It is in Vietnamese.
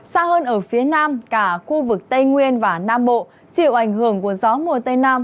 xa hơn ở phía nam cả khu vực tây nguyên và nam bộ chịu ảnh hưởng của gió mùa tây nam